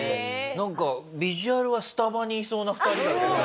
なんかビジュアルはスタバにいそうな２人だけどね。